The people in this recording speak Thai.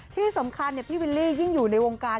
ที่สำคัญพี่วิลลี่ยิ่งอยู่ในวงการ